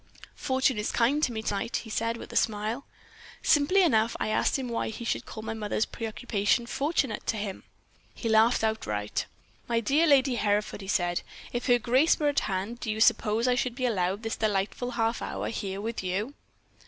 "'Fortune is kind to me to night,' he said, with a smile. "Simply enough I asked him why he should call my mother's preoccupation fortunate to him. "He laughed outright. "'My dear Lady Hereford,' he said, 'if her grace were at hand, do you suppose I should be allowed this delightful half hour here with you?'